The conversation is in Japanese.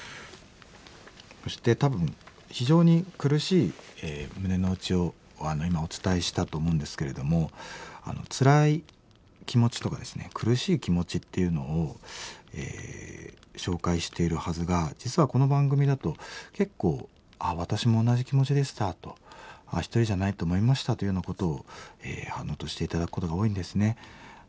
そして多分非常に苦しい胸の内を今お伝えしたと思うんですけれどもつらい気持ちとかですね苦しい気持ちっていうのを紹介しているはずが実はこの番組だと結構「私も同じ気持ちでした」と「一人じゃないと思いました」というようなことを反応として頂くことが多いんですね。